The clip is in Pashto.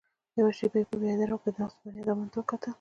يوه شېبه يې په پياده رو کې ناستو بنيادمانو ته وکتل.